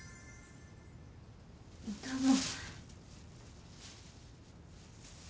どうも。